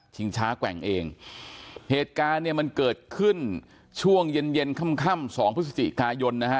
ช้าแกว่งเองเหตุการณ์เนี่ยมันเกิดขึ้นช่วงเย็นเย็นค่ำค่ำสองพฤศจิกายนนะฮะ